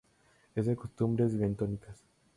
Es de costumbres bentónicos.